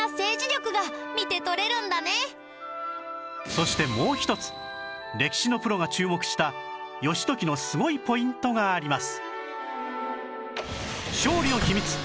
そしてもう一つ歴史のプロが注目した義時のすごいポイントがあります